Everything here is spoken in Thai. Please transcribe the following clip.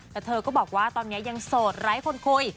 แต่เธอก็บอกว่าตอนนี้ยังโสดไร้คนคุย